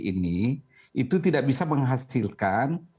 ini itu tidak bisa menghasilkan